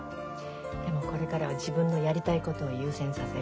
でもこれからは自分のやりたいことを優先させる。